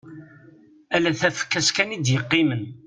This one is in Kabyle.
Ala tafekka-s kan i d-yeqqimen.